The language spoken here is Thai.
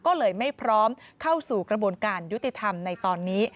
ก็เลยไม่พร้อมเข้าสู่กระบวนการยุติธรรมในตอนนี้